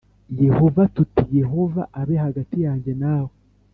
Yehova tuti yehova abe hagati yanjye nawe